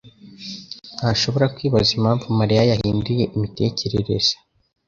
ntashobora kwibaza impamvu Mariya yahinduye imitekerereze.